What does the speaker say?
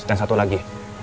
dan satu lagi